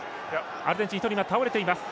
アルゼンチン、１人倒れています。